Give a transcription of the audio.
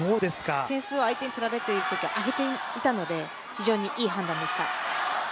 点数を相手にとられているとき空いていたので非常にいい判断でした。